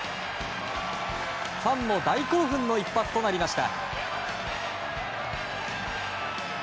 ファンも大興奮の一発となりました。